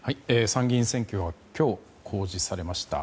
参議院選挙は今日、公示されました。